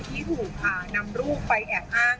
ที่ถูกนำรูปไปแอบอ้าง